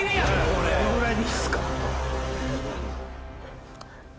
このぐらいでいいっすか。